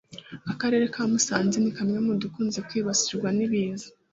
Akarere ka Musanze ni kamwe mu dukunze kwibasirwa n’ibiza